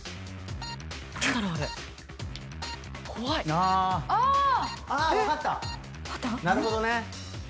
なるほどね。